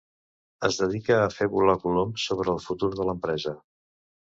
Es dedica a fer volar coloms sobre el futur de l'empresa.